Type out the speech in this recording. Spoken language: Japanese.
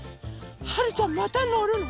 はるちゃんまたのるの？